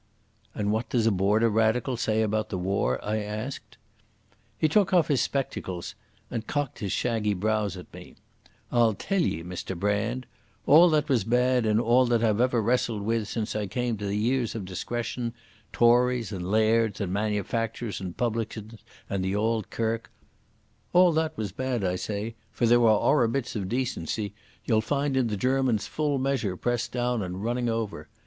"And what does a Border radical say about the war?" I asked. He took off his spectacles and cocked his shaggy brows at me. "I'll tell ye, Mr Brand. All that was bad in all that I've ever wrestled with since I cam to years o' discretion—Tories and lairds and manufacturers and publicans and the Auld Kirk—all that was bad, I say, for there were orra bits of decency, ye'll find in the Germans full measure pressed down and running over.